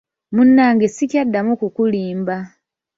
Munnange sikyaddamu kukulimba.